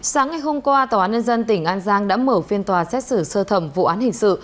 sáng ngày hôm qua tòa án nhân dân tỉnh an giang đã mở phiên tòa xét xử sơ thẩm vụ án hình sự